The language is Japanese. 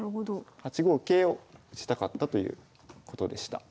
８五桂をしたかったということでした。